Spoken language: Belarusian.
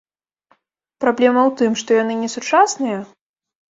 Праблема ў тым, што яны несучасныя?